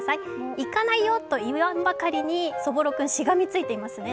行かないよと言わんばかりに、そぼろ君、しがみついていますね。